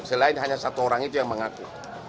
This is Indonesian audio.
selain hanya satu orang itu yang mengaku